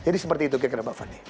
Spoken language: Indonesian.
jadi seperti itu kak kira bapak fadli